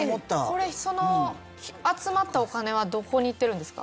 これ集まったお金はどこに行ってるんですか？